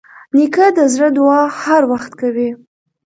نیکه د زړه دعا هر وخت کوي.